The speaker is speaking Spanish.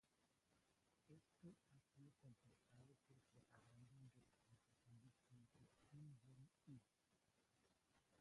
Esto ha sido complementado por propaganda en representación de su hijo, Kim Jong-il.